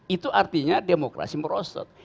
itu artinya demokrasi merosot